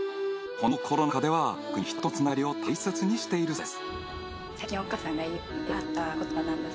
このコロナ禍では特に人とのつながりを大切にしているそうです